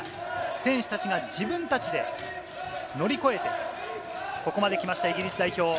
選手たちが自分たちで乗り越えてここまできました、イギリス代表。